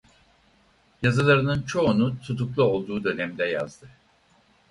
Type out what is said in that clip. Yazılarının çoğunu tutuklu olduğu dönemde yazdı.